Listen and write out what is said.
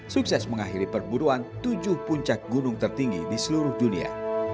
sukses mengakhiri perburuan tujuh puncak gunung tertinggi di seluruh dunia